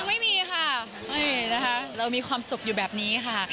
ไม่มีค่ะไม่นะคะเรามีความสุขอยู่แบบนี้ค่ะ